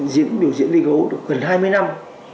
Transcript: diễn biểu diễn viên gấu gần hai mươi năm